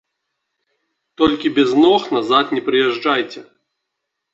Толькі без ног назад не прыязджайце.